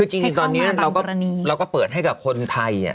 จริงตอนนี้เราก็เปิดให้กับคนไทย